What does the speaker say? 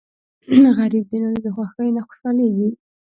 غریب د نورو د خوښۍ نه خوشحالېږي